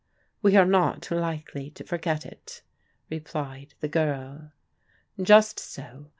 We are not likely to forget it," replied the girl. Just so.